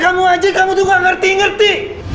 kamu aja kamu tuh gak ngerti ngerti